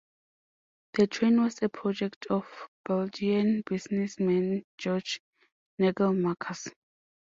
The train was a project of Belgian businessman Georges Nagelmackers.